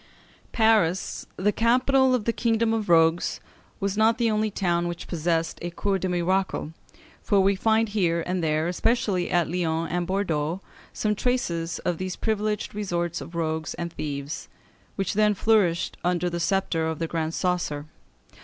Paris, the capital of the kingdom of rogues, was not the only town which possessed a Cour des Miracles, for we find here and there, especially at Lyons and Bordeaux, some traces of these privileged resorts of rogues and thieves, which then flourished under the sceptre of the Grand Coesre.